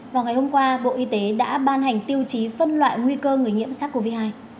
vào ngày hôm qua bộ y tế đã ban hành tiêu chí phân loại nguy cơ người nghiễm sắc covid một mươi chín